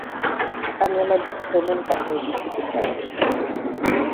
আমি আমার ভ্রমণকাহিনী লিখিতে চাই।